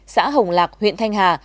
xã hồng lạc huyện thanh hà